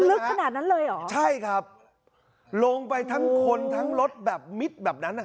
ลึกขนาดนั้นเลยเหรอใช่ครับลงไปทั้งคนทั้งรถแบบมิดแบบนั้นอ่ะ